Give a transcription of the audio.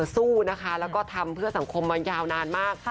สู้นะคะแล้วก็ทำเพื่อสังคมมายาวนานมาก